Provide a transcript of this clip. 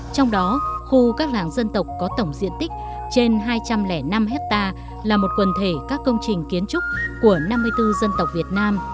trong đó khu các làng dân tộc có tổng diện tích trên hai trăm linh năm hectare là một quần thể các công trình kiến trúc của năm mươi bốn dân tộc việt nam